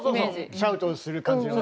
シャウトをする感じのね。